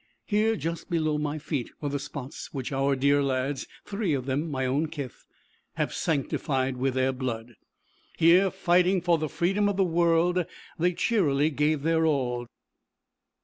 Here, just below my feet, were the spots which our dear lads, three of them my own kith, have sanctified with their blood. Here, fighting for the freedom of the world, they cheerily gave their all.